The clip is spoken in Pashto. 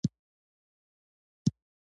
په غزل کې یې یوازې شرنګ نه دی.